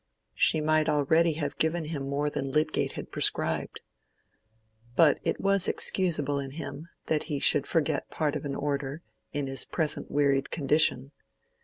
She might already have given him more than Lydgate had prescribed. But it was excusable in him, that he should forget part of an order, in his present wearied condition.